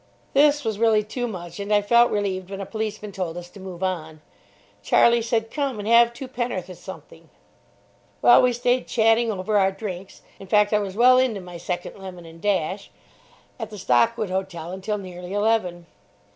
This was really too much, and I felt relieved when a policeman told us to move on. Charlie said: "Come and have two penn'orth of something." Well, we stayed chatting over our drinks (in fact, I was well into my second lemon and dash) at the Stockwood Hotel until nearly eleven.